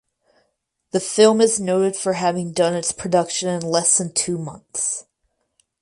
The film is noted for having done its production in less than two months.